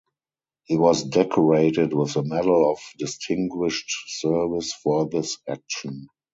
He was decorated with the Medal of Distinguished Service for this action.